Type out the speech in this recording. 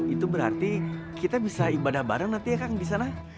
itu berarti kita bisa ibadah bareng nanti ya kang di sana